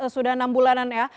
sudah enam bulanan ya